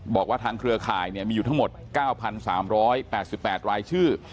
บอกว่าทางเครือข่ายมีอยู่ทั้งหมด๙๓๘๘รายชื่อ